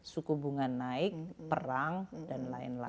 suku bunga naik perang dan lain lain